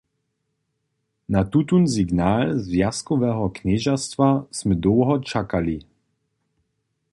Na tutón signal zwjazkoweho knježerstwa smy dołho čakali.